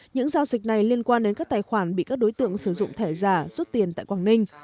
những giao dịch này liên quan đến các tài khoản bị các đối tượng sử dụng thẻ giả rút tiền tại quảng ninh